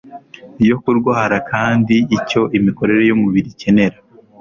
yo kurwara, kandi icyo imikorere y’umubiri ikenera